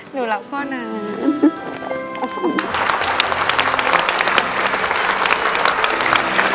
หนูหลับข้อหนึ่ง